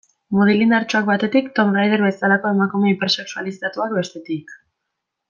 Mutil indartsuak batetik, Tomb Raider bezalako emakume hipersexualizatuak bestetik.